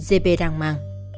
giê bê đang mang